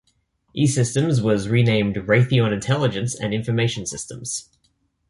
E-Systems was renamed Raytheon Intelligence and Information Systems.